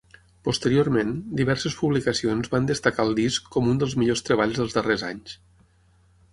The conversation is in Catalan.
Posteriorment, diverses publicacions van destacar el disc com un dels millors treballs dels darrers anys.